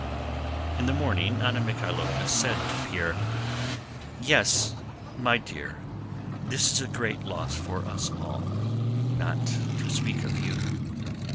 In the morning Anna Mikháylovna said to Pierre: "Yes, my dear, this is a great loss for us all, not to speak of you.